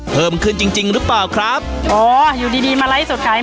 เพิ่มขึ้นจริงจริงหรือเปล่าครับอ๋ออยู่ดีดีมาไลฟ์สดขาย